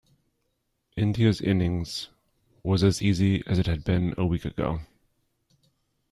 India's innings was as easy as it had been a week ago.